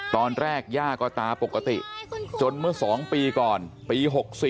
ย่าก็ตาปกติจนเมื่อ๒ปีก่อนปี๖๔